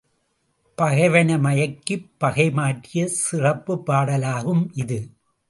பகைவனை மயக்கிப் பகை மாற்றிய சிறப்புப் பாடலாகும் இது.